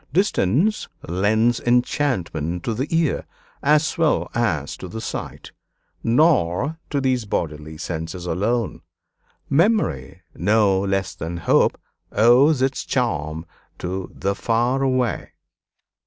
Distance lends enchantment to the ear as well as to the sight; nor to these bodily senses alone. Memory, no less than hope, owes its charm to 'the far away.'